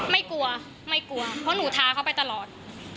ไม่กลัวไม่กลัวเพราะหนูทาเขาไปตลอด